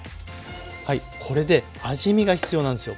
はいこれで味見が必要なんですよ。